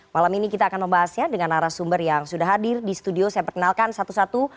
malam ini kita akan membahasnya dengan arah sumber yang sudah hadir di studio saya perkenalkan satu satu